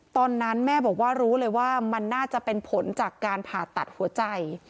ตอนนั้นแม่บอกว่ารู้เลยว่ามันน่าจะเป็นผลจากการผ่าตัดหัวใจ